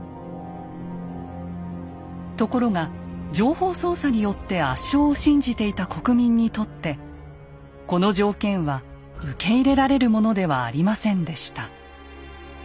ところが情報操作によって圧勝を信じていた国民にとってこの条件は受け入れられるものではありませんでした。